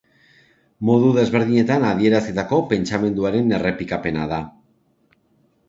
Modu desberdinetan adierazitako pentsamenduaren errepikapena da.